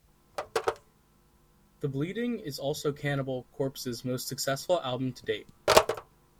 "The Bleeding" is also Cannibal Corpse's most successful album to date.